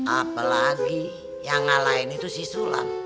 apalagi yang ngalahin itu si sulam